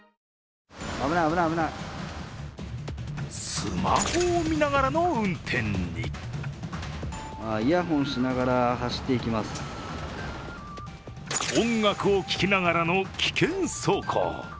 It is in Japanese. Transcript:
スマホを見ながらの運転に音楽を聴きながらの危険走行。